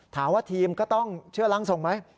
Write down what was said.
ถามว่าทีมก็ต้องเชื่อร่างทรงไหม